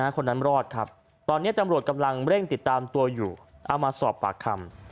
คนนั้นรอดครับตอนนี้ตำรวจกำลังเร่งติดตามตัวอยู่เอามาสอบปากคำ